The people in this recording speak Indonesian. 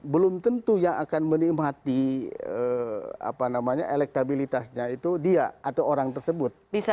belum tentu yang akan menikmati elektabilitasnya itu dia atau orang tersebut